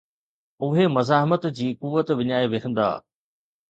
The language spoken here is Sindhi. اهي مزاحمت جي قوت وڃائي ويهندا.